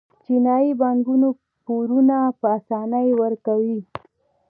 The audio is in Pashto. چینايي بانکونه پورونه په اسانۍ ورکوي.